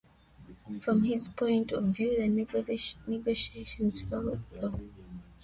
From his point of view, the negotiations failed, though.